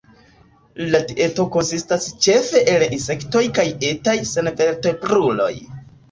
La dieto konsistas ĉefe el insektoj kaj etaj senvertebruloj.